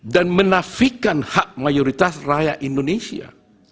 dan menafikan hak mayoritas rakyat indonesia